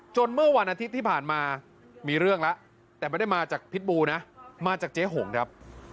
เมื่อวันอาทิตย์ที่ผ่านมามีเรื่องแล้วแต่ไม่ได้มาจากพิษบูนะมาจากเจ๊หงครับ